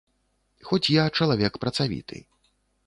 Хоць я чалавек працавіты.